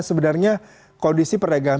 sebenarnya kondisi perdagangan